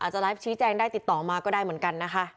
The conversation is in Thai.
จะไลฟ์ชี้แจงได้ติดต่อมาก็ได้เหมือนกันนะคะ